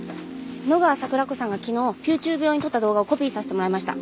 野川桜子さんが昨日ピューチューブ用に撮った動画をコピーさせてもらいました。